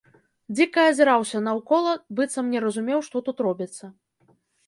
Дзіка азіраўся наўкола, быццам не разумеў, што тут робіцца.